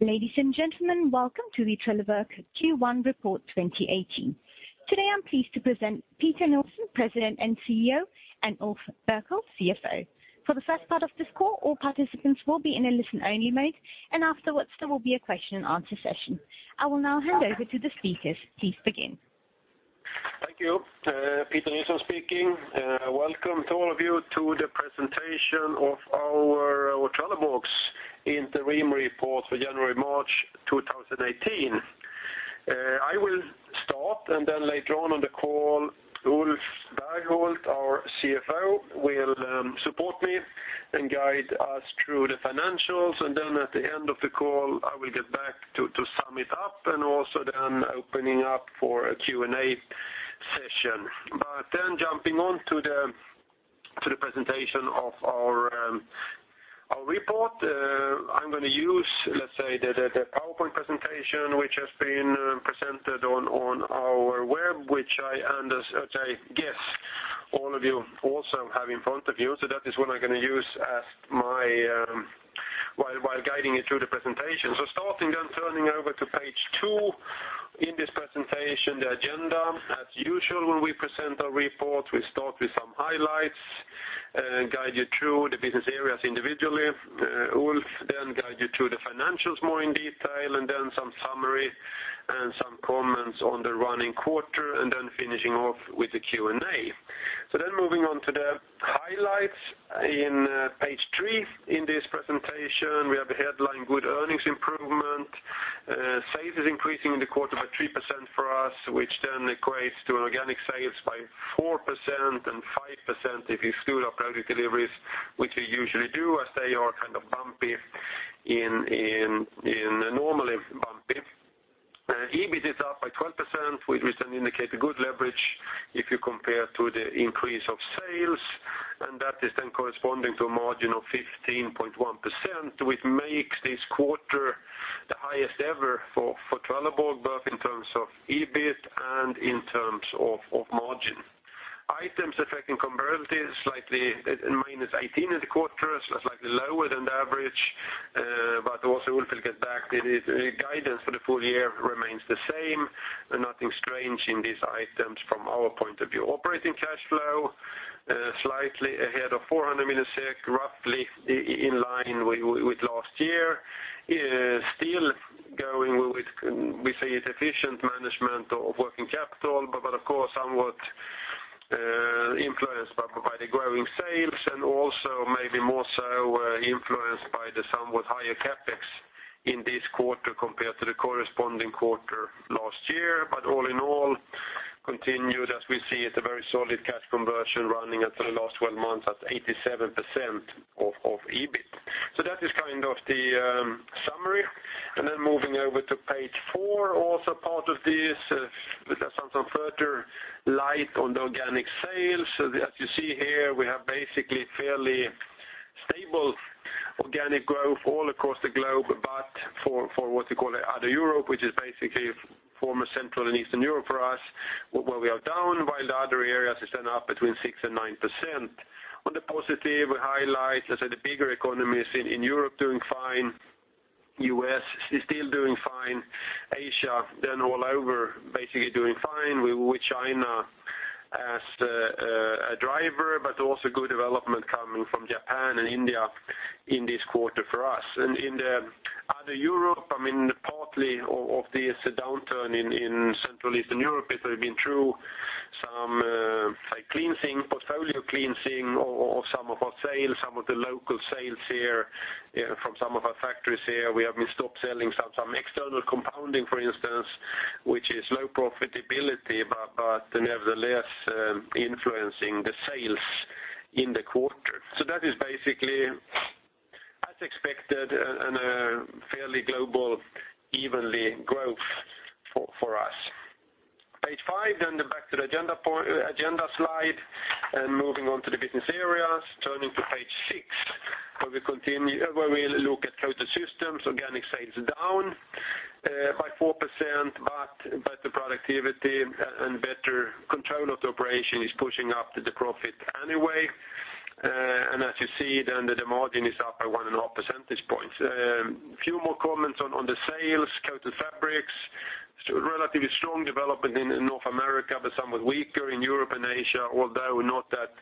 Ladies and gentlemen, welcome to the Trelleborg Q1 report 2018. Today, I'm pleased to present Peter Nilsson, President and CEO, and Ulf Berghult, CFO. For the first part of this call, all participants will be in a listen-only mode. Afterwards, there will be a question and answer session. I will now hand over to the speakers. Please begin. Thank you. Peter Nilsson speaking. Welcome to all of you to the presentation of our Trelleborg's interim report for January to March 2018. I will start. Later on in the call, Ulf Berghult, our CFO, will support me and guide us through the financials. At the end of the call, I will get back to sum it up, and also opening up for a Q&A session. Jumping on to the presentation of our report, I'm going to use the PowerPoint presentation, which has been presented on our web, which I guess all of you also have in front of you. That is what I'm going to use while guiding you through the presentation. Starting, turning over to page two in this presentation, the agenda. As usual, when we present our report, we start with some highlights, guide you through the business areas individually. Ulf will guide you through the financials more in detail, and some summary and some comments on the running quarter, and finishing off with the Q&A. Moving on to the highlights on page three in this presentation, we have a headline, good earnings improvement. Sales is increasing in the quarter by 3% for us, which equates to an organic sales by 4% and 5% if you exclude our project deliveries, which we usually do as they are normally bumpy. EBIT is up by 12%, which indicates a good leverage if you compare to the increase of sales. That is corresponding to a margin of 15.1%, which makes this quarter the highest ever for Trelleborg, both in terms of EBIT and in terms of margin. Items affecting comparatives, slightly minus 18 in the quarter, slightly lower than the average. Also, Ulf will get back. The guidance for the full year remains the same, and nothing strange in these items from our point of view. Operating cash flow, slightly ahead of 400 million SEK, roughly in line with last year. Still going with, we say, efficient management of working capital. Of course, somewhat influenced by the growing sales and also maybe more so influenced by the somewhat higher CapEx in this quarter compared to the corresponding quarter last year. All in all, continued as we see it, a very solid cash conversion running for the last 12 months at 87% of EBIT. That is the summary. Moving over to page 4, also part of this, with some further light on the organic sales. You see here, we have basically fairly stable organic growth all across the globe, but for what we call Other Europe, which is basically former Central and Eastern Europe for us, where we are down, while the other areas are up between 6% and 9%. On the positive, we highlight, let's say the bigger economies in Europe doing fine. The U.S. is still doing fine. Asia, all over, basically doing fine, with China as a driver, but also good development coming from Japan and India in this quarter for us. In the Other Europe, partly of this downturn in Central Eastern Europe, is we've been through some portfolio cleansing of some of our sales, some of the local sales here from some of our factories here. We have stopped selling some external compounding, for instance, which is low profitability, but nevertheless influencing the sales in the quarter. That is basically as expected, and a fairly global, evenly growth for us. Page 5, back to the agenda slide, moving on to the business areas, turning to page 6, where we look at Coated Systems, organic sales down by 4%, but better productivity and better control of the operation is pushing up the profit anyway. As you see, the margin is up by 1.5 percentage points. A few more comments on the sales. Coated Fabrics, relatively strong development in North America, but somewhat weaker in Europe and Asia, although not that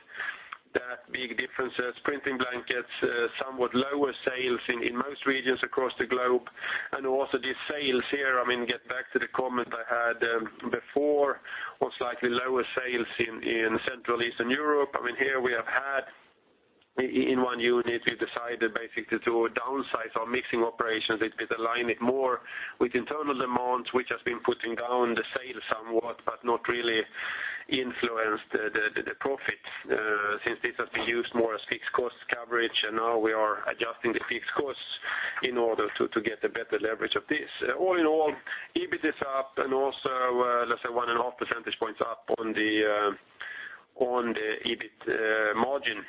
big difference as printing blankets, somewhat lower sales in most regions across the globe. Also these sales here, get back to the comment I had before, most likely lower sales in Central Eastern Europe. Here we have had in one unit, we've decided basically to downsize our mixing operations, align it more with internal demands, which has been putting down the sales somewhat, but not really influenced the profit, since this has been used more as fixed cost coverage, and now we are adjusting the fixed costs in order to get a better leverage of this. All in all, EBIT is up, also let's say 1.5 percentage points up on the EBIT margin.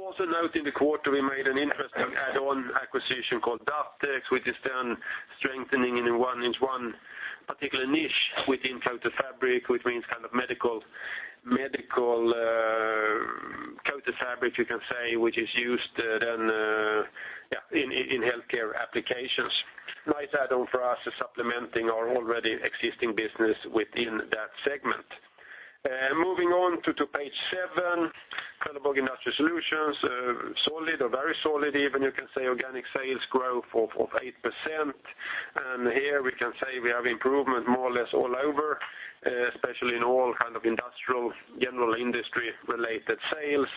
Also note in the quarter, we made an interesting add-on acquisition called Dartex, which is then strengthening in one particular niche within coated fabric, which means medical fabric, you can say, which is used in healthcare applications. Nice add-on for us, supplementing our already existing business within that segment. Moving on to page 7, Trelleborg Industrial Solutions, solid or very solid even, you can say, organic sales growth of 8%. Here we can say we have improvement more or less all over, especially in all kind of industrial, general industry-related sales.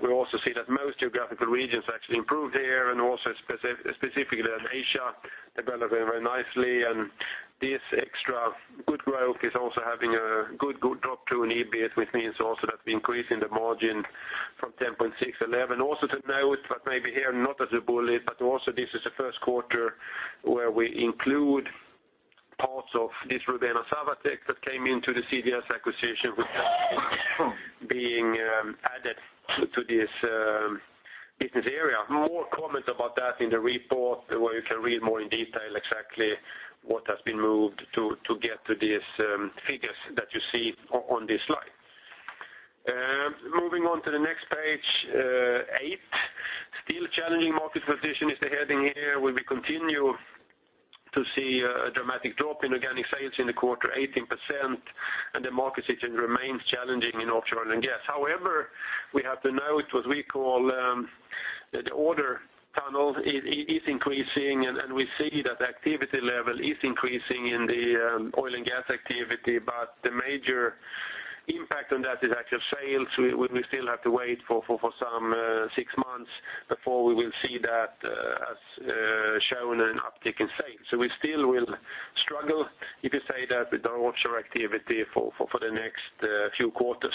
We also see that most geographical regions actually improved here, also specifically Asia developing very nicely. This extra good growth is also having a good drop through in EBIT, which means also that we increase in the margin from 10.6% to 11%. To note, but maybe here not as a bullet, this is the first quarter where we include parts of this Rubena Savatech that came into the CGS acquisition with that being added to this business area. More comment about that in the report, where you can read more in detail exactly what has been moved to get to these figures that you see on this slide. Moving on to the next page eight. Still challenging market position is the heading here, where we continue to see a dramatic drop in organic sales in the quarter, 18%, and the market situation remains challenging in offshore and O&C. However, we have to note what we call the order tunnel is increasing, and we see that the activity level is increasing in the oil and gas activity. The major impact on that is actual sales. We still have to wait for some six months before we will see that as shown in uptick in sales. We still will struggle, you could say that, with offshore activity for the next few quarters.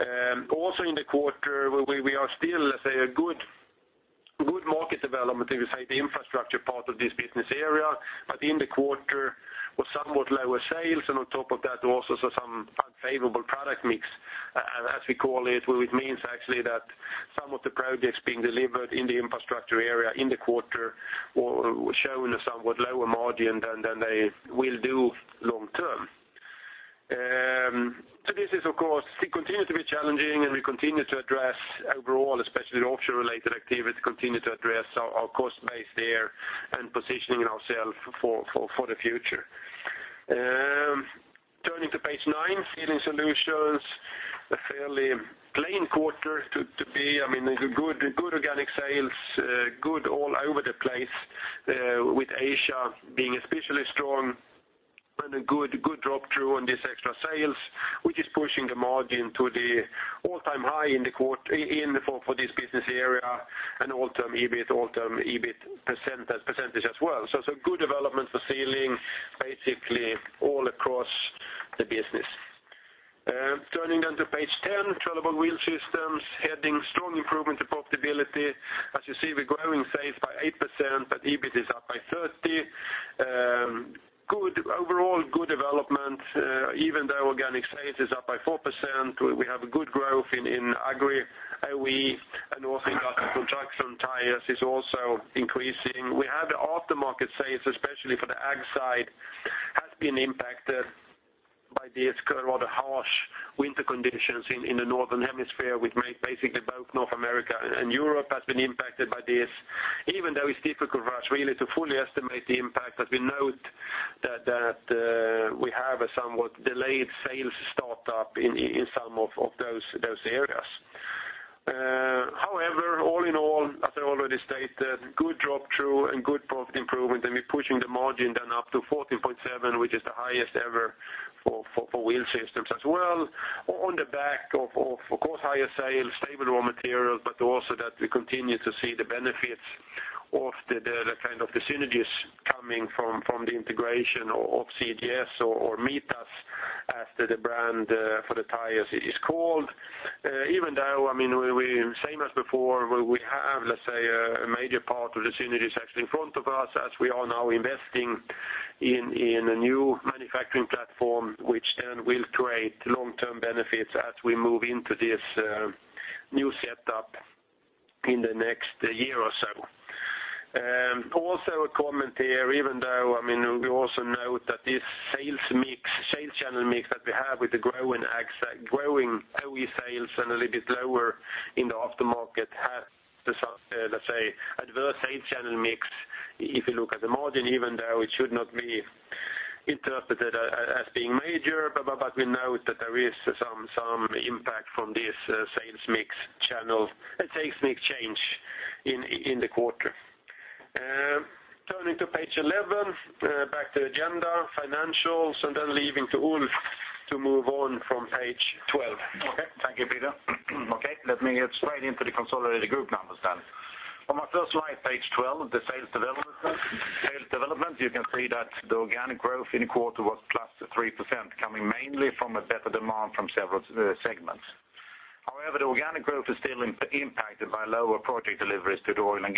In the quarter, we are still, let's say, a good market development, if you say the infrastructure part of this business area. In the quarter, was somewhat lower sales, and on top of that, also some unfavorable product mix. As we call it means actually that some of the projects being delivered in the infrastructure area in the quarter were showing a somewhat lower margin than they will do long term. This is, of course, it continues to be challenging, and we continue to address overall, especially offshore-related activity, continue to address our cost base there and positioning ourself for the future. Turning to page nine, Sealing Solutions, a fairly plain quarter to be. Good organic sales, good all over the place, with Asia being especially strong, and a good drop-through on this extra sales, which is pushing the margin to the all-time high for this business area, an all-time EBIT percentage as well. Good development for Sealing, basically all across the business. Turning to page 10, Trelleborg Wheel Systems, heading strong improvement to profitability. As you see, we are growing sales by 8%, but EBIT is up by 30%. Overall good development, even though organic sales is up by 4%, we have a good growth in Agri, OE, and also industrial construction tires is also increasing. We have the aftermarket sales, especially for the Agri side, has been impacted by this rather harsh winter conditions in the northern hemisphere, which basically both North America and Europe has been impacted by this. It is difficult for us really to fully estimate the impact, but we note that we have a somewhat delayed sales startup in some of those areas. All in all, as I already stated, good drop-through and good profit improvement, and we are pushing the margin then up to 14.7%, which is the highest ever for Wheel Systems as well, on the back of course, higher sales, stable raw materials, but also that we continue to see the benefits of the synergies coming from the integration of CGS or Mitas after the brand for the tires is called. Even though, same as before, we have, let's say, a major part of the synergies actually in front of us as we are now investing in a new manufacturing platform, which then will create long-term benefits as we move into this new setup in the next year or so. Also a comment here, even though, we also note that this sales channel mix that we have with the growing OE sales and a little bit lower in the aftermarket has, let's say, adverse sales channel mix, if you look at the margin, even though it should not be interpreted as being major. We note that there is some impact from this sales mix change in the quarter. Turning to page 11, back to agenda, financials, leaving to Ulf to move on from page 12. Thank you, Peter. Let me get straight into the consolidated group numbers. On my first slide, page 12, the sales development. You can see that the organic growth in the quarter was plus 3%, coming mainly from a better demand from several segments. However, the organic growth is still impacted by lower project deliveries to the oil and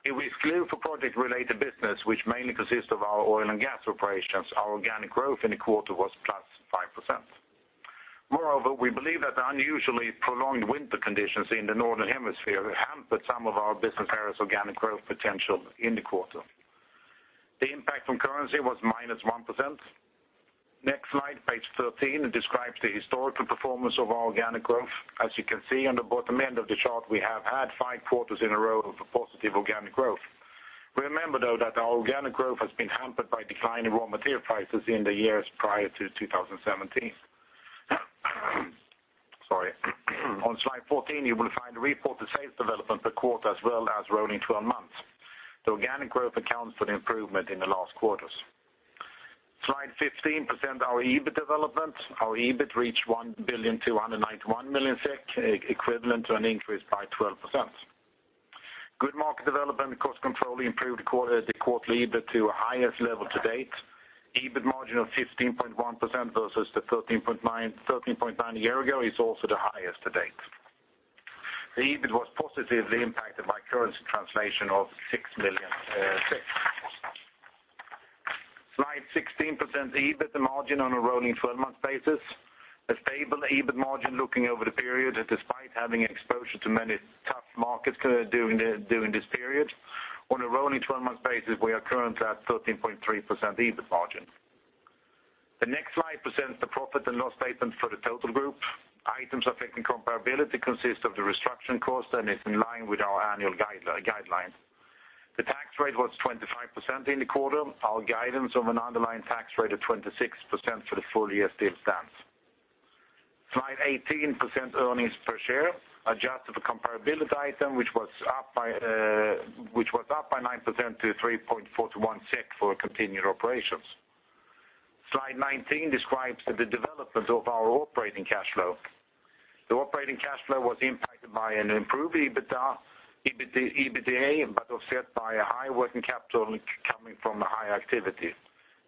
gas segment. If we exclude for project-related business, which mainly consists of our oil and gas operations, our organic growth in the quarter was plus 5%. Moreover, we believe that the unusually prolonged winter conditions in the northern hemisphere hampered some of our business areas' organic growth potential in the quarter. The impact from currency was minus 1%. Next slide, page 13, describes the historical performance of our organic growth. As you can see on the bottom end of the chart, we have had five quarters in a row of positive organic growth. Remember though, that our organic growth has been hampered by declining raw material prices in the years prior to 2017. On slide 14, you will find the reported sales development per quarter, as well as rolling 12 months. The organic growth accounts for the improvement in the last quarters. Slide 15 presents our EBIT development. Our EBIT reached 1,291,000,000 SEK, equivalent to an increase by 12%. Good market development cost control improved quarter-over-quarter EBITA to a highest level to date. EBIT margin of 15.1% versus the 13.9% a year ago is also the highest to date. The EBIT was positively impacted by currency translation of 6 million SEK. Slide 16 presents the EBIT and margin on a rolling 12-month basis. A stable EBIT margin looking over the period, despite having exposure to many tough markets during this period. On a rolling 12-month basis, we are currently at 13.3% EBIT margin. The next slide presents the profit and loss statement for the total group. Items affecting comparability consist of the restructuring cost and is in line with our annual guidelines. The tax rate was 25% in the quarter. Our guidance of an underlying tax rate of 26% for the full year still stands. Slide 18, % earnings per share, adjusted for comparability item, which was up by 9% to 3.41 SEK for continued operations. Slide 19 describes the development of our operating cash flow. The operating cash flow was impacted by an improved EBITDA, offset by a high working capital coming from a high activity.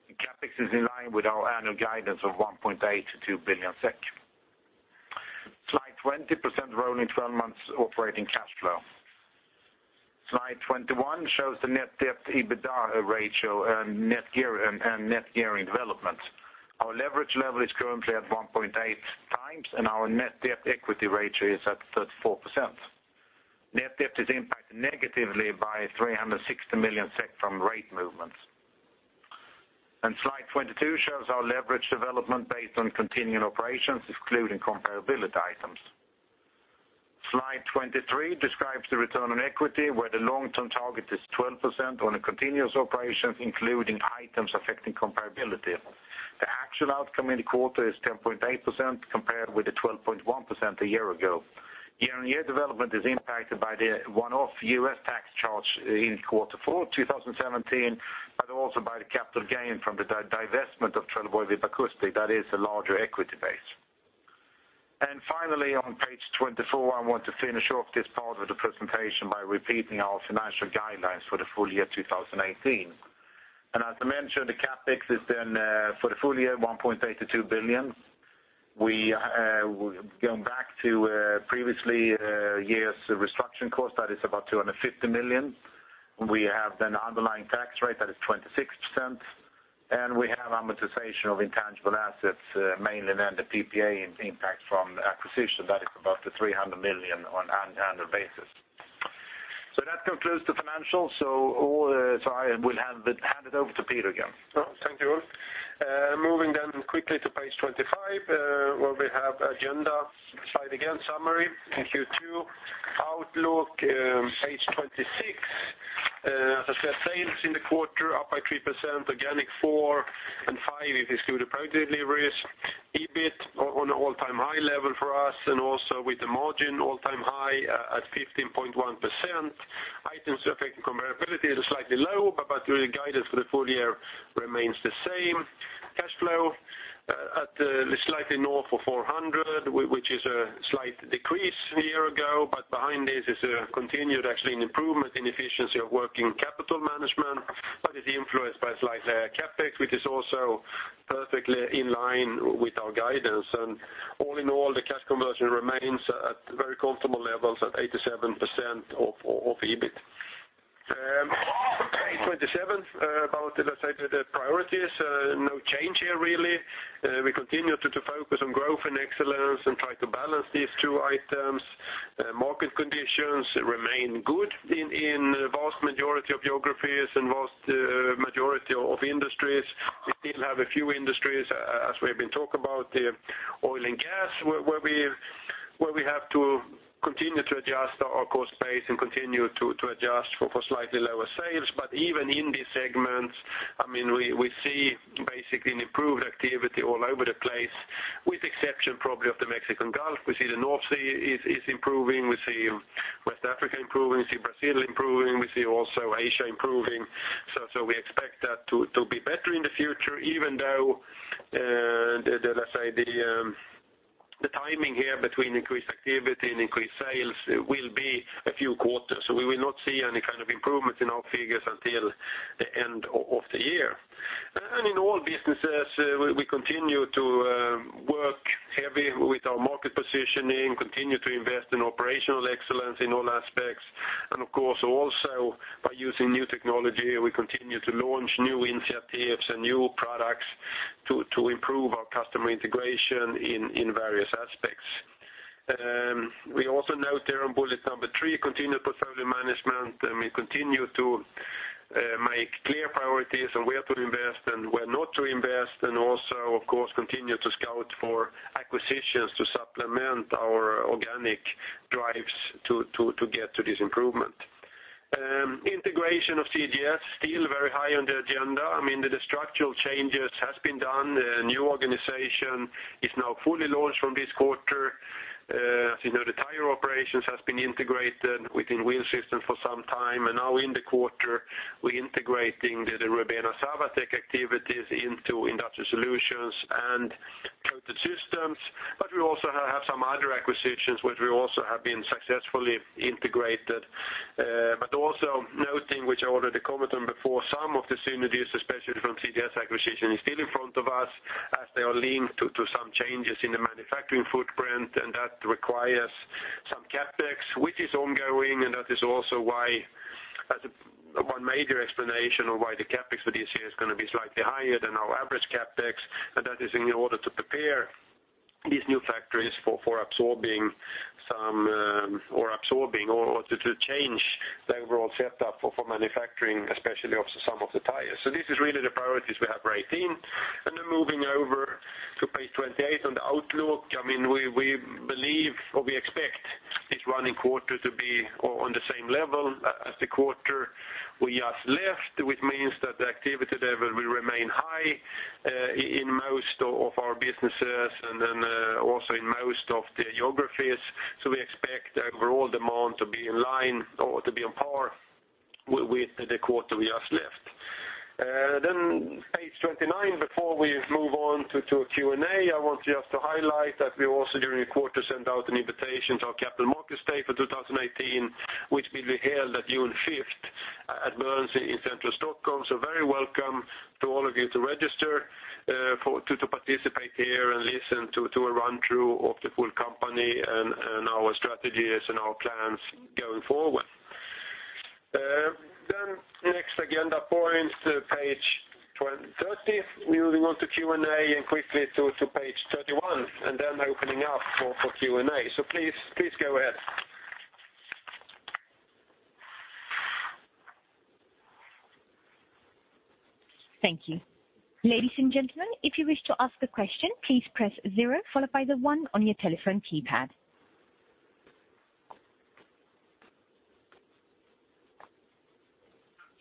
The CapEx is in line with our annual guidance of 1.8 to 2 billion SEK. Slide 20, % rolling 12 months operating cash flow. Slide 21 shows the net debt to EBITDA ratio and net gearing development. Our leverage level is currently at 1.8 times, and our net debt equity ratio is at 34%. Net debt is impacted negatively by 360 million from rate movements. Slide 22 shows our leverage development based on continuing operations, excluding comparability items. Slide 23 describes the return on equity, where the long-term target is 12% on a continuous operation, including items affecting comparability. The actual outcome in the quarter is 10.8% compared with the 12.1% a year ago. Year-on-year development is impacted by the one-off U.S. tax charge in quarter four 2017, but also by the capital gain from the divestment of Trelleborg Vibracoustic. That is a larger equity base. Finally, on page 24, I want to finish off this part of the presentation by repeating our financial guidelines for the full year 2018. As I mentioned, the CapEx has been, for the full year, 1.8 billion-2 billion. Going back to previously year's restructuring cost, that is about 250 million. We have an underlying tax rate that is 26%, and we have amortization of intangible assets, mainly the PPA impact from acquisition that is above 300 million on an annual basis. That concludes the financials. I will hand it over to Peter again. No. Thank you. Moving quickly to page 25, where we have agenda slide again, summary in Q2. Outlook, page 26. As I said, sales in the quarter up by 3%, organic 4% and 5% if you exclude the project deliveries. EBIT on an all-time high level for us and also with the margin all-time high at 15.1%. Items affecting comparability is slightly low, but the guidance for the full year remains the same. Cash flow at slightly north of 400 million, which is a slight decrease a year ago, but behind this is actually a continued improvement in efficiency of working capital management, but is influenced by slight CapEx, which is also perfectly in line with our guidance. All in all, the cash conversion remains at very comfortable levels at 87% of EBIT. Page 27, about, as I said, the priorities. No change here, really. We continue to focus on growth and excellence and try to balance these two items. Market conditions remain good in vast majority of geographies and vast majority of industries. We still have a few industries, as we have been talking about, oil and gas, where we have to continue to adjust our cost base and continue to adjust for slightly lower sales. Even in these segments, we see basically an improved activity all over the place, with exception probably of the Gulf of Mexico. We see the North Sea is improving. We see West Africa improving, we see Brazil improving. We see also Asia improving. We expect that to be better in the future, even though, let's say, the timing here between increased activity and increased sales will be a few quarters. We will not see any kind of improvement in our figures until the end of the year. In all businesses, we continue to work heavy with our market positioning, continue to invest in operational excellence in all aspects. Of course, also by using new technology, we continue to launch new initiatives and new products to improve our customer integration in various aspects. We also note there on bullet number three, continued portfolio management. We continue to make clear priorities on where to invest and where not to invest. Also, of course, continue to scout for acquisitions to supplement our organic drives to get to this improvement. Integration of CGS, still very high on the agenda. The structural changes have been done. The new organization is now fully launched from this quarter. As you know, the tire operations has been integrated within Wheel Systems for some time. Now in the quarter, we're integrating the Rubena Savatech activities into Industrial Solutions and Coated Systems. We also have some other acquisitions, which we also have been successfully integrated. Also noting, which I already commented on before, some of the synergies, especially from CGS acquisition, is still in front of us as they are linked to some changes in the manufacturing footprint, and that requires some CapEx, which is ongoing, and that is also one major explanation of why the CapEx for this year is going to be slightly higher than our average CapEx. That is in order to prepare these new factories for absorbing or to change the overall setup for manufacturing, especially of some of the tires. This is really the priorities we have for 2018. Moving over to page 28 on the outlook. We believe or we expect this running quarter to be on the same level as the quarter we just left, which means that the activity level will remain high in most of our businesses and then also in most of the geographies. We expect the overall demand to be in line or to be on par with the quarter we just left. Page 29, before we move on to Q&A, I want just to highlight that we also, during the quarter, sent out an invitation to our Capital Markets Day for 2018, which will be held at June 5th at Berns in central Stockholm. Very welcome to all of you to register to participate here and listen to a run-through of the full company and our strategies and our plans going forward. Next agenda point, page 30. Moving on to Q&A, quickly to page 31, opening up for Q&A. Please go ahead. Thank you. Ladies and gentlemen, if you wish to ask a question, please press zero followed by the one on your telephone keypad.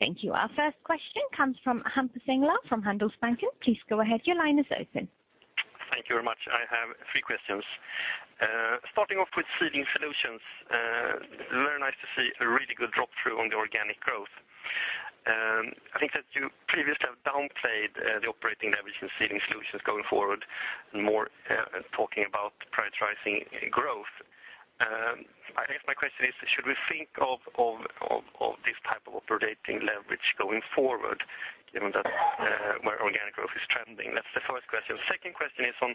Thank you. Our first question comes from Hampus Engellau from Handelsbanken. Please go ahead, your line is open. Thank you very much. I have three questions. Starting off with Sealing Solutions. Very nice to see a really good drop-through on the organic growth. I think that you previously have downplayed the operating leverage in Sealing Solutions going forward, more talking about prioritizing growth. I guess my question is, should we think of this type of operating leverage going forward, given that where organic growth is trending? That's the first question. Second question is on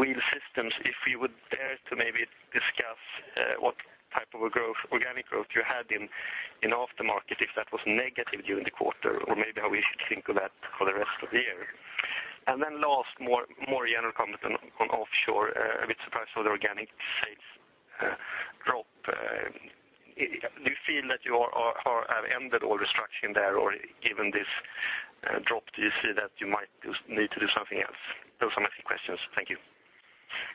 Wheel Systems. If you would dare to maybe discuss what type of organic growth you had in aftermarket, if that was negative during the quarter, or maybe how we should think of that for the rest of the year. Last, more general comment on offshore. A bit surprised by the organic sales drop. Do you feel that you have ended all restructuring there, or given this drop, do you see that you might need to do something else? Those are my three questions. Thank you.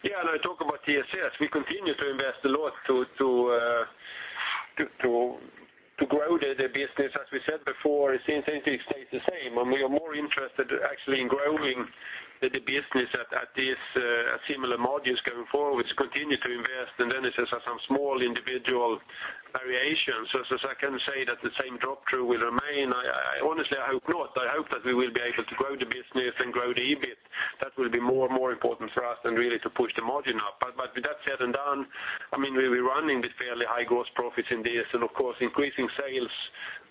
Yeah, let me talk about TSS. We continue to invest a lot to grow the business. As we said before, it seems anything stays the same, and we are more interested actually in growing the business at similar margins going forward to continue to invest, and then it has some small individual variations, so I can say that the same drop-through will remain. Honestly, I hope not. I hope that we will be able to grow the business and grow the EBIT. That will be more and more important for us than really to push the margin up. With that said and done, we're running with fairly high gross profits in this, and of course, increasing sales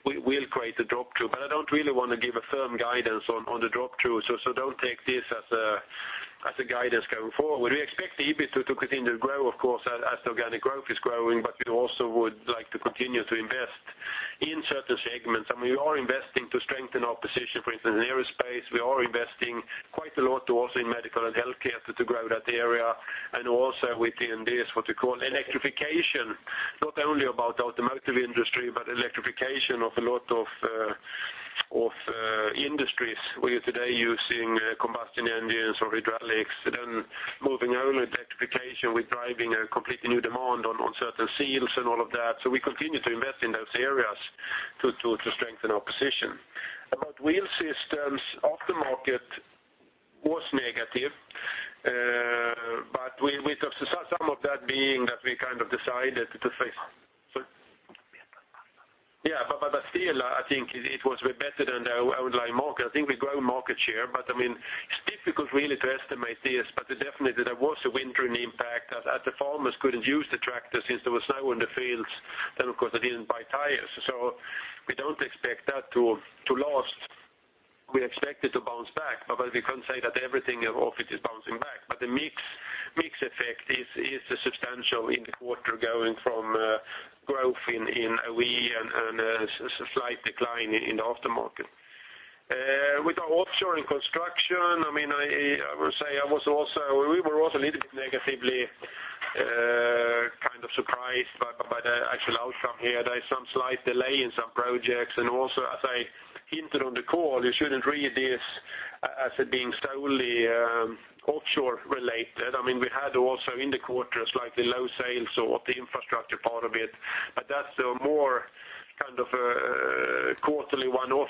will create a drop-through. I don't really want to give a firm guidance on the drop-through. Don't take this as a guidance going forward. We expect the EBIT to continue to grow, of course, as the organic growth is growing, but we also would like to continue to invest in certain segments. We are investing to strengthen our position, for instance, in aerospace. We are investing quite a lot also in medical and healthcare to grow that area, and also within this, what we call electrification. Not only about the automotive industry, but electrification of a lot of industries where you're today using combustion engines or hydraulics, then moving over to electrification, we're driving a completely new demand on certain seals and all of that. We continue to invest in those areas to strengthen our position. About Wheel Systems, aftermarket was negative, but with some of that being that we kind of decided to. Still, I think it was better than the outlying market. I think we grow market share, but it's difficult really to estimate this, but definitely there was a winter impact as the farmers couldn't use the tractor since there was snow on the fields, then, of course, they didn't buy tires. We don't expect that to last. We expect it to bounce back, but we can't say that everything of it is bouncing back. The mix effect is substantial in the quarter going from growth in OE and a slight decline in the aftermarket. With our Offshore & Construction, I would say we were also a little bit negatively kind of surprised by the actual outcome here. There is some slight delay in some projects, and also as I hinted on the call, you shouldn't read this as it being solely offshore related. We had also in the quarter slightly low sales of the infrastructure part of it, but that's a more kind of a quarterly one-off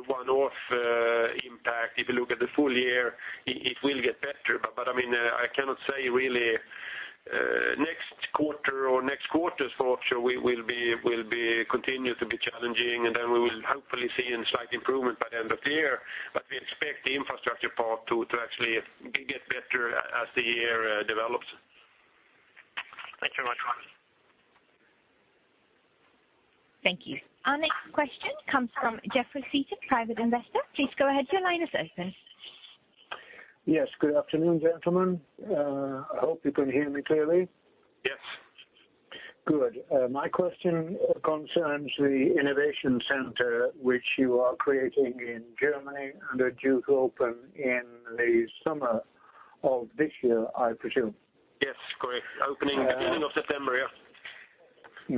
impact. If you look at the full year, it will get better. I cannot say really next quarter or next quarters for offshore will continue to be challenging, and then we will hopefully see a slight improvement by the end of the year. We expect the infrastructure part to actually get better as the year develops. Thank you very much. Thank you. Our next question comes from Jeffrey Setin, private investor. Please go ahead, your line is open. Yes, good afternoon, gentlemen. I hope you can hear me clearly. Yes. Good. My question concerns the innovation center which you are creating in Germany and are due to open in the summer of this year, I presume. Yes, correct. Opening at the beginning of September. Yes.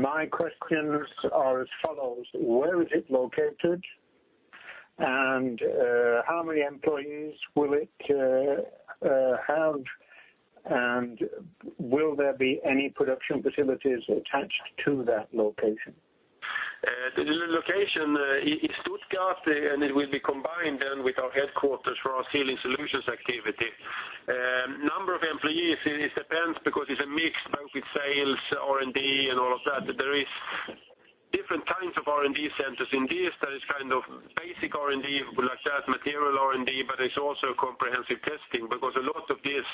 My questions are as follows: Where is it located? How many employees will it have, and will there be any production facilities attached to that location? The location is Stuttgart, it will be combined then with our headquarters for our Sealing Solutions activity. Number of employees, it depends because it's a mix both with sales, R&D, and all of that. There is different kinds of R&D centers. In this, there is kind of basic R&D, put it like that, material R&D, but there's also comprehensive testing because a lot of this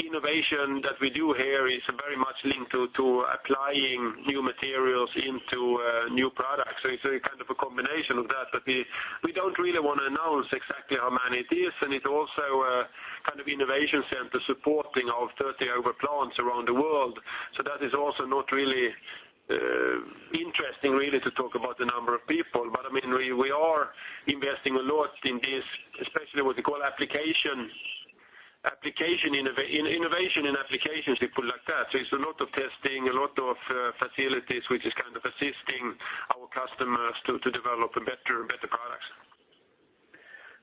innovation that we do here is very much linked to applying new materials into new products. It's kind of a combination of that, but we don't really want to announce exactly how many it is, and it also a kind of innovation center supporting our 30 other plants around the world. That is also not really interesting really to talk about the number of people. We are investing a lot in this, especially what we call innovation in applications, we put it like that. It's a lot of testing, a lot of facilities, which is kind of assisting our customers to develop better products.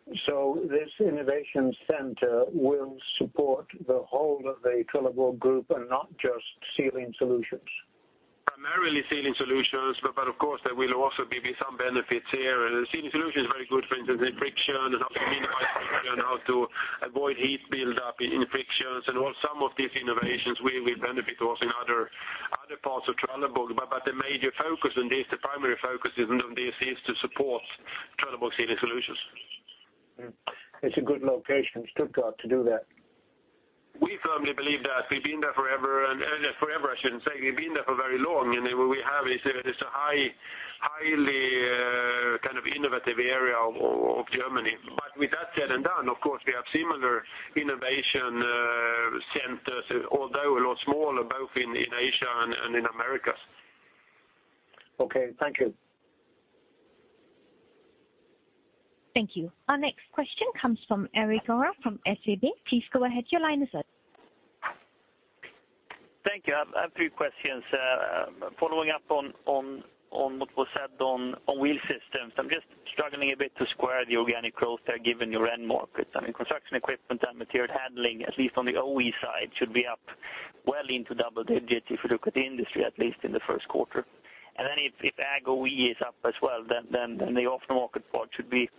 This innovation center will support the whole of the Trelleborg group and not just Sealing Solutions. Primarily Sealing Solutions, of course, there will also be some benefits here. Sealing Solutions is very good, for instance, in friction and how to minimize friction, how to avoid heat buildup in frictions, and some of these innovations will benefit also in other parts of Trelleborg. The major focus in this, the primary focus in this is to support Trelleborg Sealing Solutions. It's a good location, Stuttgart, to do that. We firmly believe that. We've been there forever, I shouldn't say, we've been there for very long, what we have is a highly kind of innovative area of Germany. With that said and done, of course, we have similar innovation centers, although a lot smaller, both in Asia and in Americas. Okay. Thank you. Thank you. Our next question comes from Erik Golrang from SEB. Please go ahead. Your line is open. Thank you. I have three questions. Following up on what was said on wheel systems, I am just struggling a bit to square the organic growth there given your end markets. Construction equipment and material handling, at least on the OE side, should be up well into double digits if you look at the industry, at least in the first quarter. If AG OE is up as well, then the aftermarket part should be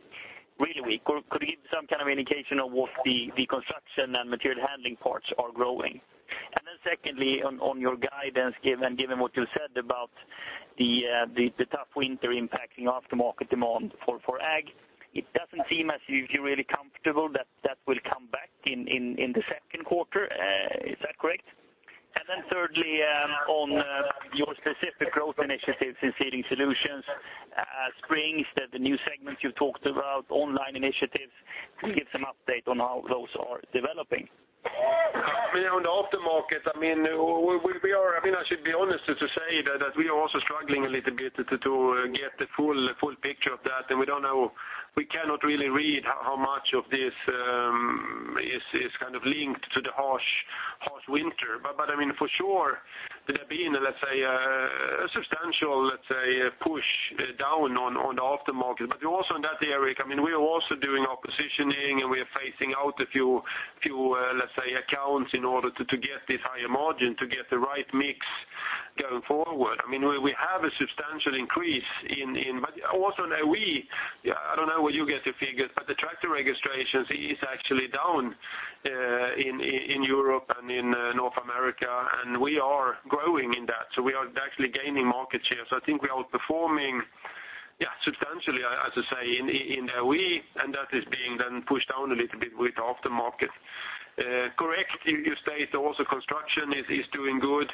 really weak. Could you give some kind of indication of what the construction and material handling parts are growing? Secondly, on your guidance give, and given what you said about the tough winter impacting aftermarket demand for AG, it doesn't seem as if you're really comfortable that that will come back in the second quarter. Is that correct? Thirdly, on your specific growth initiatives in Sealing Solutions, springs, the new segment you talked about, online initiatives. Can you give some update on how those are developing? On the aftermarket, I should be honest to say that we are also struggling a little bit to get the full picture of that, we cannot really read how much of this is kind of linked to the harsh winter. For sure, there have been a substantial push down on the aftermarket. Also in that area, we are also doing our positioning, we are phasing out a few accounts in order to get this higher margin, to get the right mix going forward. We have a substantial increase, but also in OE, I don't know where you get your figures, but the tractor registrations is actually down in Europe and in North America, we are growing in that. We are actually gaining market share. I think we are outperforming substantially, as I say, in OE, and that is being then pushed down a little bit with the aftermarket. Correct, you state also construction is doing good.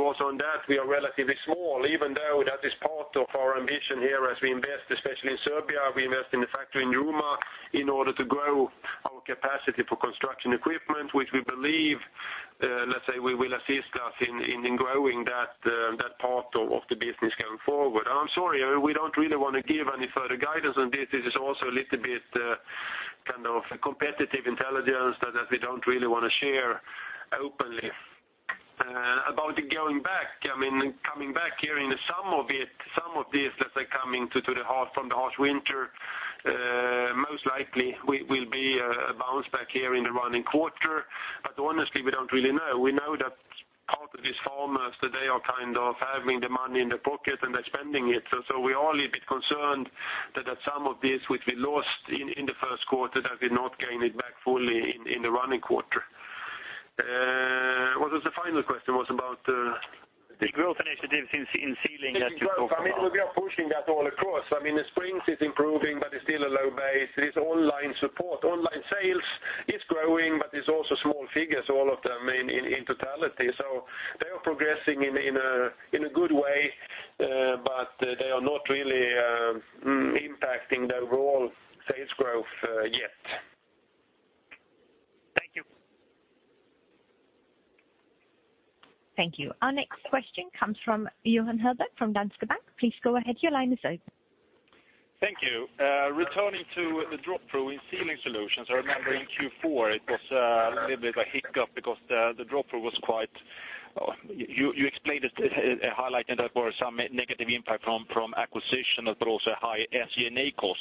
Also on that, we are relatively small, even though that is part of our ambition here as we invest, especially in Serbia, we invest in the factory in Ruma in order to grow our capacity for construction equipment, which we believe will assist us in growing that part of the business going forward. I'm sorry, we don't really want to give any further guidance on this. This is also a little bit of competitive intelligence that we don't really want to share openly. Some of this that's coming from the harsh winter, most likely will be a bounce back here in the running quarter. Honestly, we don't really know. We know that part of these farmers, they are kind of having the money in their pocket, and they're spending it. We are a little bit concerned that some of this, which we lost in the first quarter, that we've not gained it back fully in the running quarter. What was the final question? Was it about the- Big growth initiatives in Sealing that you talked about. We are pushing that all across. The springs is improving, but it's still a low base. There is online support. Online sales is growing, but it's also small figures, all of them in totality. They are progressing in a good way, but they are not really impacting the overall sales growth yet. Thank you. Thank you. Our next question comes from Johan Dahl, from Danske Bank. Please go ahead, your line is open. Thank you. Returning to the drop-through in Sealing Solutions, I remember in Q4 it was a little bit of a hiccup because the drop-through was. You highlighted that there were some negative impact from acquisition, also a high SG&A cost.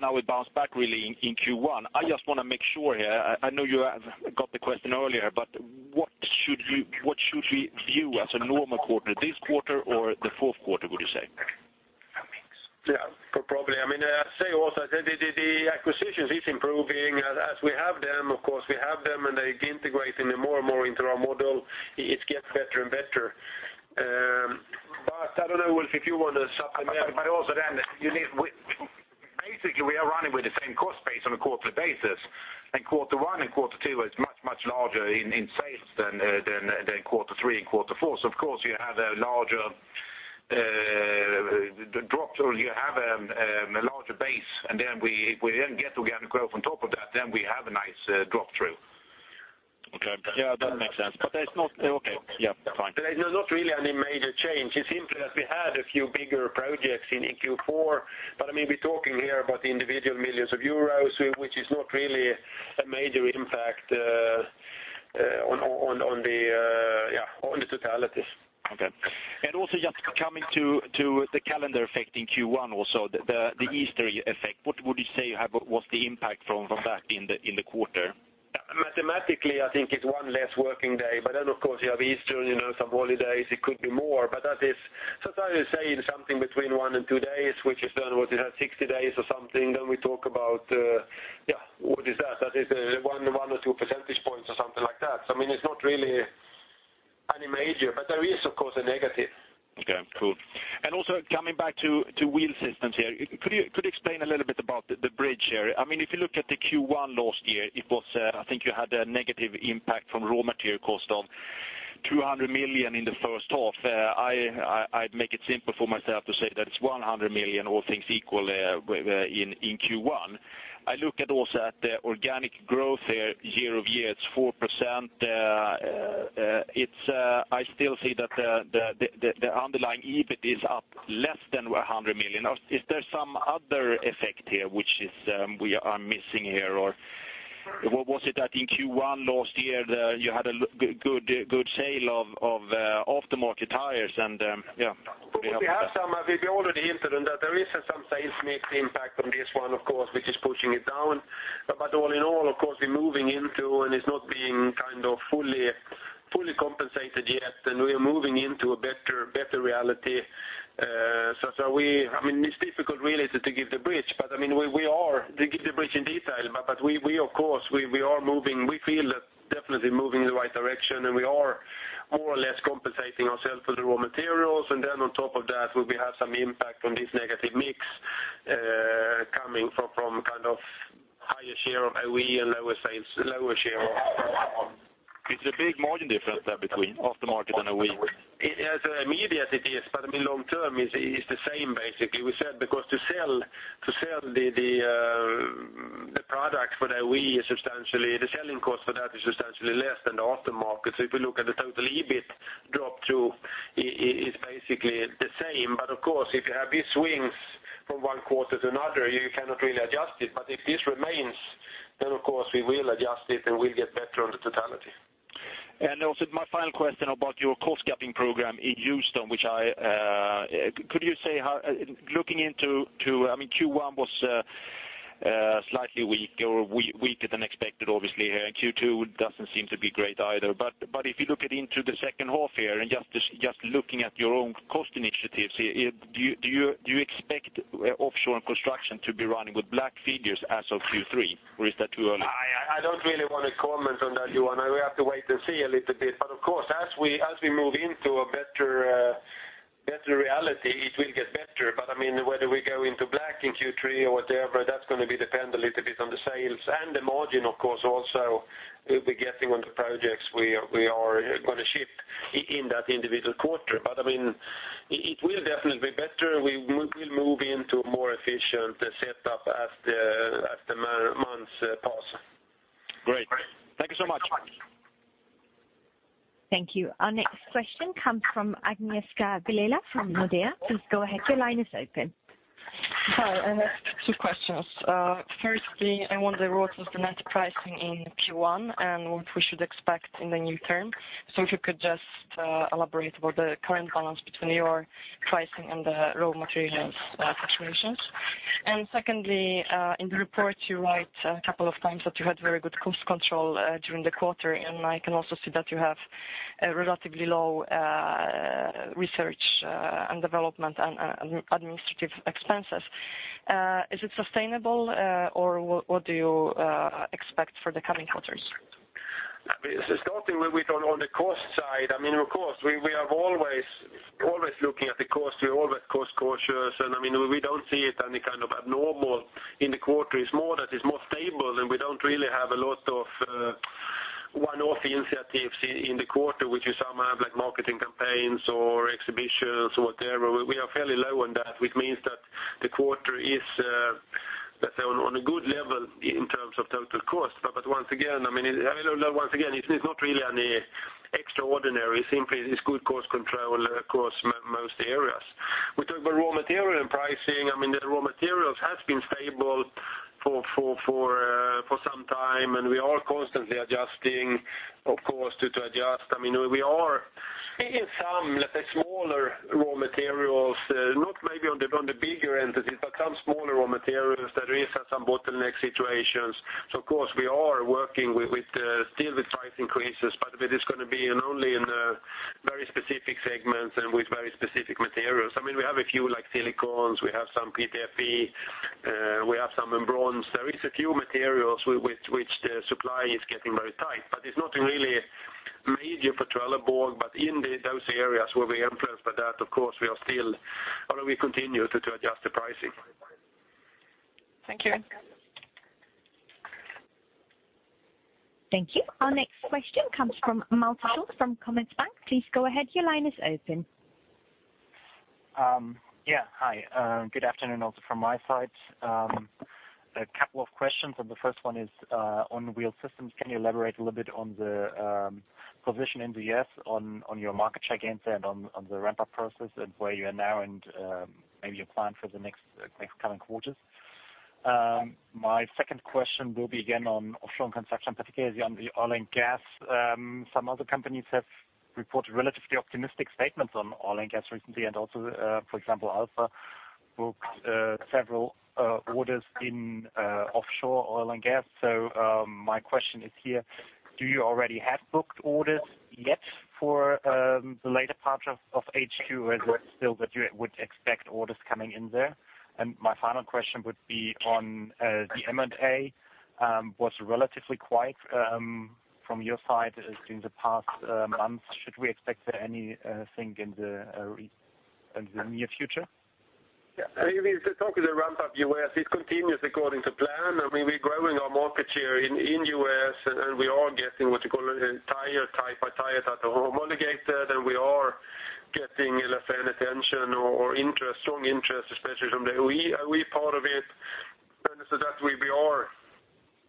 Now we bounce back really in Q1. I just want to make sure here, I know you got the question earlier, what should we view as a normal quarter? This quarter or the fourth quarter, would you say? Yeah. Probably. I say also, the acquisitions is improving as we have them. Of course, we have them, and they integrate more and more into our model. It gets better and better. I don't know, Ulf, if you want to supplement. Also then, basically, we are running with the same cost base on a quarterly basis, and quarter one and quarter two is much, much larger in sales than quarter three and quarter four. Of course, you have a larger drop, or you have a larger base, and then if we then get organic growth on top of that, then we have a nice drop-through. Okay. Yeah, that makes sense. Okay. Yeah, fine. There's not really any major change. It's simply that we had a few bigger projects in Q4. We're talking here about individual millions of EUR, which is not really a major impact on the totality. Okay. Also just coming to the calendar effect in Q1 also, the Easter effect. What would you say was the impact from that in the quarter? Mathematically, I think it's one less working day. Then, of course, you have Easter, some holidays, it could be more. If I was saying something between one and two days, which is then what, you have 60 days or something, then we talk about, what is that? That is one or two percentage points or something like that. It's not really any major, but there is, of course, a negative. Okay, cool. Also coming back to Wheel Systems here. Could you explain a little bit about the bridge here? If you look at the Q1 last year, I think you had a negative impact from raw material cost of 200 million in the first half. I'd make it simple for myself to say that it's 100 million, all things equal, in Q1. I look at also at the organic growth there year-over-year, it's 4%. I still see that the underlying EBIT is up less than 100 million. Is there some other effect here, which we are missing here? Or was it that in Q1 last year, you had a good sale of aftermarket tires? We have some. We already hinted on that. There is some sales mix impact on this one, of course, which is pushing it down. All in all, of course, we're moving into, it's not being kind of fully compensated yet, and we are moving into a better reality. It's difficult really to give the bridge in detail, of course, we feel that definitely moving in the right direction, and we are more or less compensating ourself for the raw materials. On top of that, we have some impact on this negative mix, coming from kind of higher share of OE and lower share of- Is it a big margin difference there between aftermarket and OE? Yes. Immediate it is, but long term it's the same, basically. We said because to sell the products for the OE, the selling cost for that is substantially less than the aftermarket. If you look at the total EBIT drop-through, it's basically the same. Of course, if you have these swings from one quarter to another, you cannot really adjust it. If this remains, then of course we will adjust it, and we'll get better on the totality. Also my final question about your cost-cutting program in Houston. Q1 was slightly weaker or weaker than expected, obviously here, and Q2 doesn't seem to be great either. If you look at into the second half here and just looking at your own cost initiatives, do you expect offshore and construction to be running with black figures as of Q3, or is that too early? I don't really want to comment on that, Johan. We have to wait and see a little bit. Of course, as we move into a better reality, it will get better. Whether we go into black in Q3 or whatever, that's going to depend a little bit on the sales and the margin, of course, also we'll be getting on the projects we are going to ship in that individual quarter. It will definitely be better. We will move into a more efficient setup as the months pass. Great. Thank you so much. Thank you. Our next question comes from Agnieszka Vilela from Nordea. Please go ahead. Your line is open. Hi. I have two questions. Firstly, I wonder what was the net pricing in Q1 and what we should expect in the near term. If you could just elaborate about the current balance between your pricing and the raw materials situations. Secondly, in the report you write a couple of times that you had very good cost control during the quarter, I can also see that you have relatively low research and development and administrative expenses. Is it sustainable or what do you expect for the coming quarters? Starting with on the cost side, of course, we are always looking at the cost. We're always cost cautious we don't see it any kind of abnormal in the quarter. It's more that it's more stable, we don't really have a lot of one-off initiatives in the quarter, which is some have marketing campaigns or exhibitions or whatever. We are fairly low on that, which means that the quarter is, let's say, on a good level in terms of total cost. Once again, it's not really any extraordinary, simply it's good cost control across most areas. We talk about raw material and pricing. The raw materials has been stable for some time, we are constantly adjusting, of course, to adjust. We are seeing some smaller raw materials, not maybe on the bigger entities, but some smaller raw materials there is some bottleneck situations. Of course, we are working still with price increases, it is going to be in only in very specific segments and with very specific materials. We have a few like silicones, we have some PTFE, we have some in bronze. There is a few materials with which the supply is getting very tight, it's not really major for Trelleborg. In those areas where we influence by that, of course, we continue to adjust the pricing. Thank you. Thank you. Our next question comes from Malte Schulz from Commerzbank. Please go ahead. Your line is open. Yeah. Hi, good afternoon also from my side. A couple of questions. The first one is on Wheel Systems. Can you elaborate a little bit on the position in the U.S. on your market share gains and on the ramp-up process and where you are now and maybe your plan for the next coming quarters? My second question will be again on Offshore and Construction, particularly on the oil and gas. Some other companies have reported relatively optimistic statements on oil and gas recently, and also for example, Alfa booked several orders in offshore oil and gas. My question is here, do you already have booked orders yet for the later part of H2, or is it still that you would expect orders coming in there? My final question would be on the M&A. Was relatively quiet from your side in the past months. Should we expect anything in the near future? If we talk to the ramp-up U.S., it continues according to plan. We're growing our market share in U.S., and we are getting what you call a tire type or tire type homologated, and we are getting, let's say, an attention or interest, strong interest, especially from the OE part of it.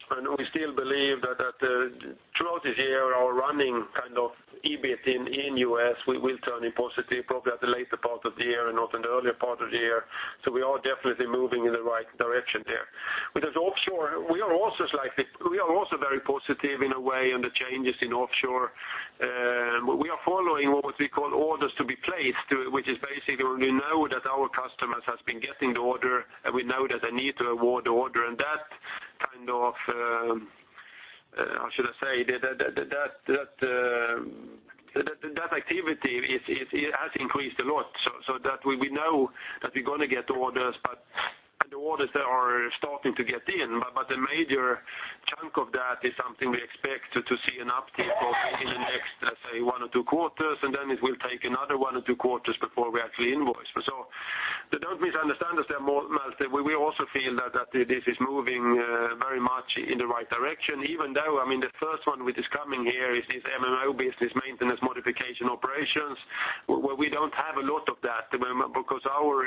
We still believe that throughout this year, our running kind of EBIT in U.S. will turn in positive probably at the later part of the year and not in the earlier part of the year. We are definitely moving in the right direction there. With this offshore, we are also very positive in a way on the changes in offshore. We are following what we call orders to be placed, which is basically we know that our customers has been getting the order, and we know that they need to award the order. That kind of, how should I say, that activity has increased a lot so that we know that we're going to get orders, and the orders are starting to get in. The major chunk of that is something we expect to see an uptick of in the next, let's say, one or two quarters, and then it will take another one or two quarters before we actually invoice. Don't misunderstand us there, Malte. We also feel that this is moving very much in the right direction, even though, the first one which is coming here is this MMO business, maintenance modification operations, where we don't have a lot of that because our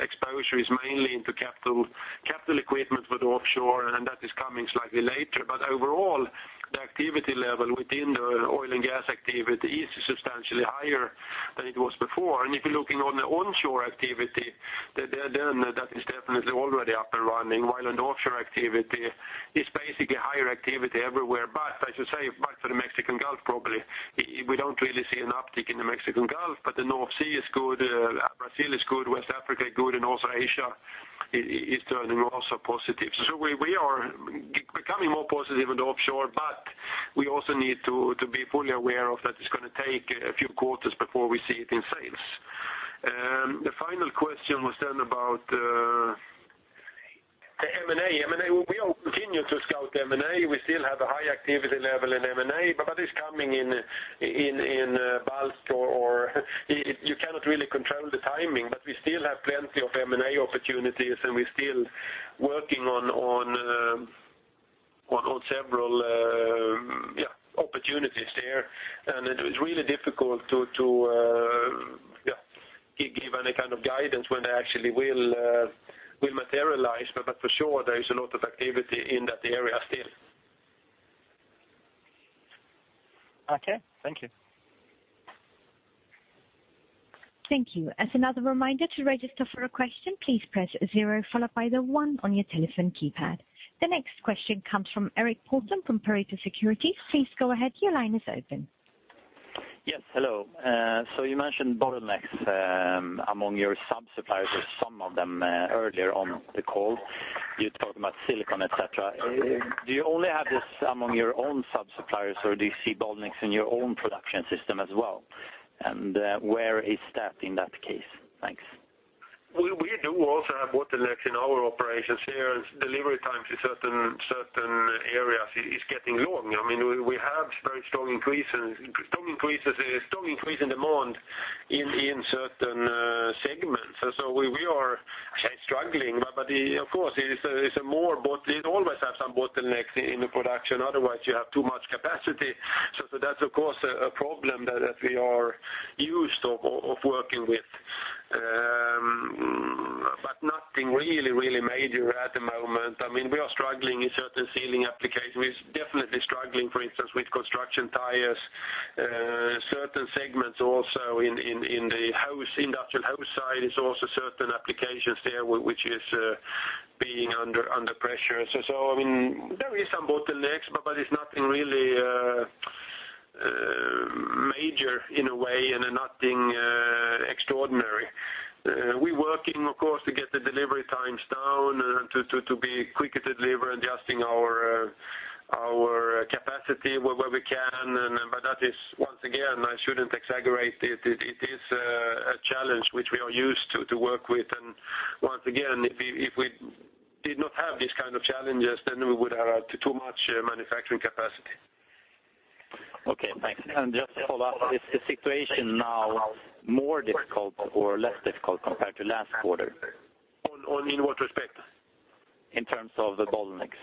exposure is mainly into capital equipment with offshore, and that is coming slightly later. Overall, the activity level within the oil and gas activity is substantially higher than it was before. If you're looking on the onshore activity, that is definitely already up and running, while on offshore activity, it's basically higher activity everywhere. I should say, but for the Gulf of Mexico probably, we don't really see an uptick in the Gulf of Mexico, but the North Sea is good, Brazil is good, West Africa good, and also Asia is turning also positive. We are becoming more positive with the offshore, but we also need to be fully aware of that it's going to take a few quarters before we see it in sales. The final question was then about. M&A The M&A. M&A, we are continuing to scout M&A. We still have a high activity level in M&A, it's coming in bulks, or you cannot really control the timing. We still have plenty of M&A opportunities, and we're still working on several opportunities there. It was really difficult to give any kind of guidance when they actually will materialize. For sure, there is a lot of activity in that area still. Okay. Thank you. Thank you. As another reminder, to register for a question, please press zero followed by the one on your telephone keypad. The next question comes from Erik Pettersson from Pareto Securities. Please go ahead. Your line is open. Yes, hello. You mentioned bottlenecks among your sub-suppliers or some of them earlier on the call. You talked about silicones, et cetera. Do you only have this among your own sub-suppliers, or do you see bottlenecks in your own production system as well? Where is that in that case? Thanks. We do also have bottlenecks in our operations here, delivery times in certain areas is getting long. We have very strong increase in demand in certain segments. We are struggling. Of course, you always have some bottlenecks in the production, otherwise you have too much capacity. That's of course a problem that we are used of working with. Nothing really major at the moment. We are struggling in certain Sealing applications. Definitely struggling, for instance, with construction tires. Certain segments also in the Trelleborg Industrial Solutions side, is also certain applications there which is being under pressure. There is some bottlenecks, it's nothing really major in a way and nothing extraordinary. We are working, of course, to get the delivery times down and to be quick to deliver, adjusting our capacity where we can. That is, once again, I shouldn't exaggerate it. It is a challenge which we are used to work with. Once again, if we did not have these kind of challenges, then we would have too much manufacturing capacity. Okay, thanks. Just to follow up, is the situation now more difficult or less difficult compared to last quarter? In what respect? In terms of the bottlenecks.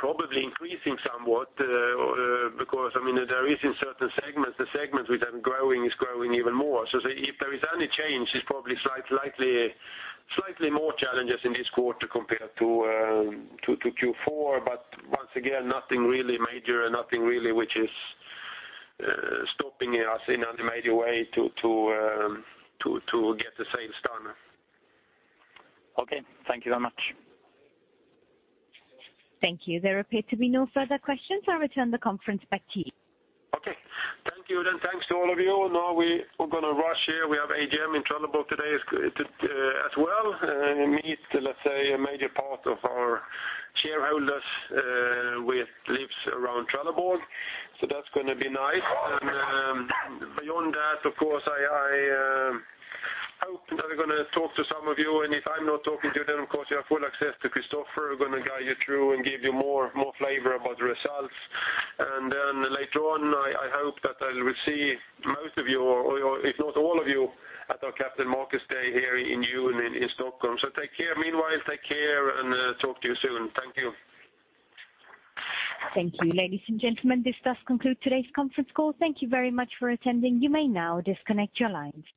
Probably increasing somewhat, because there is in certain segments, the segments which are growing, is growing even more. If there is any change, it's probably slightly more challenges in this quarter compared to Q4. Once again, nothing really major, nothing really which is stopping us in any major way to get the sales done. Okay. Thank you very much. Thank you. There appear to be no further questions. I'll return the conference back to you. Okay. Thank you. Thanks to all of you. We are going to rush here. We have AGM in Trelleborg today as well, and meet, let's say, a major part of our shareholders which lives around Trelleborg. That's going to be nice. Beyond that, of course, I hope that we're going to talk to some of you. If I'm not talking to you, of course you have full access to Christofer, who going to guide you through and give you more flavor about the results. Later on, I hope that I will see most of you, or if not all of you, at our Capital Markets Day here in June in Stockholm. Take care. Meanwhile, take care and talk to you soon. Thank you. Thank you. Ladies and gentlemen, this does conclude today's conference call. Thank you very much for attending. You may now disconnect your lines.